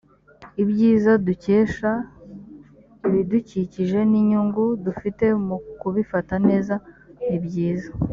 ibyiza dukesha ibidukikije n’inyungu dufite mu kubifata neza ni byiza